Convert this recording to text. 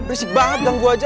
risik banget ganggu aja